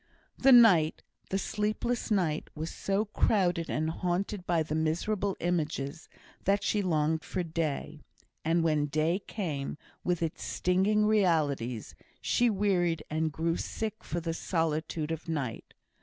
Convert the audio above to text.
The night, the sleepless night, was so crowded and haunted by miserable images, that she longed for day; and when day came, with its stinging realities, she wearied and grew sick for the solitude of night.